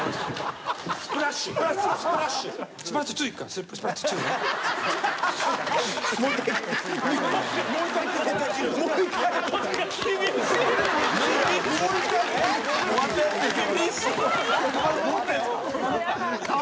すごい顔。